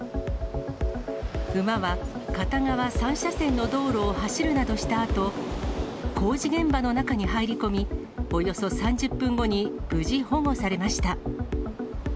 馬は片側３車線の道路を走るなどしたあと、工事現場の中に入り込み、およそ３０分後に無事保護されました。